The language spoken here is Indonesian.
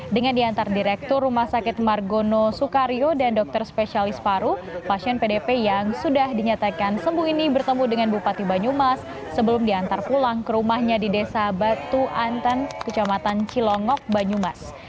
dengan diantar direktur rumah sakit margono soekario dan dokter spesialis paru pasien pdp yang sudah dinyatakan sembuh ini bertemu dengan bupati banyumas sebelum diantar pulang ke rumahnya di desa batu antan kecamatan cilongok banyumas